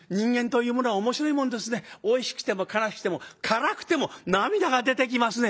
おいしくても悲しくても辛くても涙が出てきますね」。